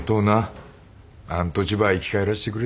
あん土地ば生き返らしてくれて。